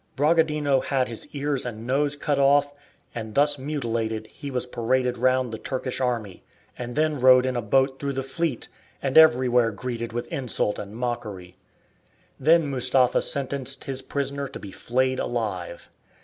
Bragadino had his ears and nose cut off, and thus mutilated he was paraded round the Turkish army, and then rowed in a boat through the fleet, and everywhere greeted with insult and mockery. Then Mustapha sentenced his prisoner to be flayed alive.